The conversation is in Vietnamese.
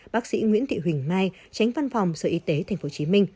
bác sĩ nguyễn thị huỳnh mai tránh văn phòng sở y tế tp hcm